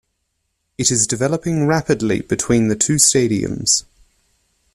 It is developing rapidly between the two stadiums.